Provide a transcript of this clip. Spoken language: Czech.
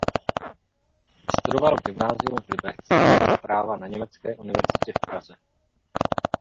Vystudoval gymnázium v Liberci a práva na německé univerzitě v Praze.